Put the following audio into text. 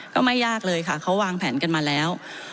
ก็ไม่ยากเลยค่ะเขาวางแผนกันมาแล้ว